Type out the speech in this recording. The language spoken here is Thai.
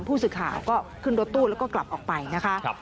ผู้สื่อข่าวก็ขึ้นรถตู้แล้วก็กลับออกไปนะคะ